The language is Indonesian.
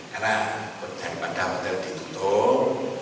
karena dari pada hotel ditutup